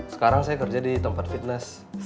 sekarang saya kerja di tempat fitness